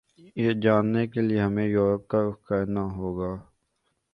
یہ جاننے کیلئے ہمیں یورپ کا رخ کرنا ہوگا